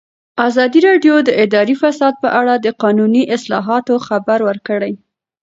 ازادي راډیو د اداري فساد په اړه د قانوني اصلاحاتو خبر ورکړی.